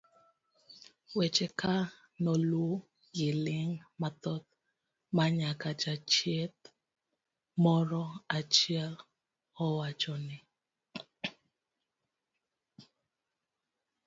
weche ka noluw gi ling' mathoth ma nyaka jachieth moro achiel owachone